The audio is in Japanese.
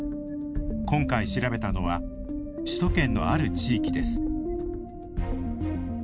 今回、調べたのは首都圏のある地域です。